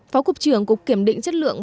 phó cục trưởng cục kiểm định chất lượng